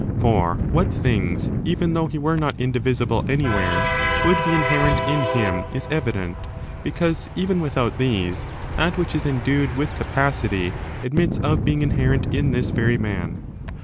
For what things, even though he were not indivisible anywhere, would be inherent in him is evident, because, even without these, that which is endued with capa city admits of being inherent in this very man.